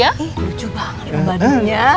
eh lucu banget ya badutnya